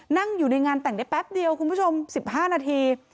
นั่งอยู่ในงานแต่งได้แป๊บเดียวคุณผู้ชม๑๕นาที